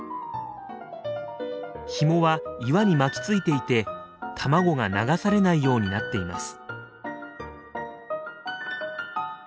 ひもは岩に巻きついていて卵が流されないようになっています。